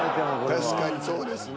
確かにそうですね。